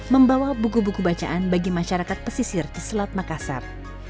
membawa buku buku bacaan bagi masyarakat pesisir di selat makassar